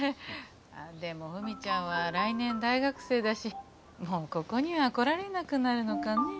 でもフミちゃんは来年大学生だしもうここには来られなくなるのかねえ。